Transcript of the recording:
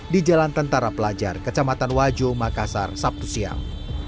di jalan tentara pelajar kecamatan wajo makassar sabtu siang